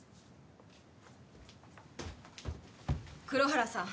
黒原さん